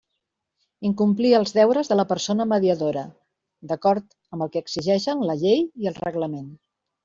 Incomplir els deures de la persona mediadora, d'acord amb el que exigeixen la Llei i el Reglament.